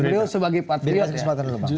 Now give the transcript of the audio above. beliau sebagai patriot ya pak terlebang